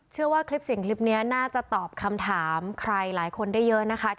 เชื่อว่าคลิปเสียงคลิปนี้น่าจะตอบคำถามใครหลายคนได้เยอะนะคะ